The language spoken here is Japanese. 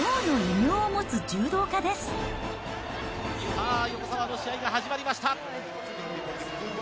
さあ、横澤の試合が始まりました。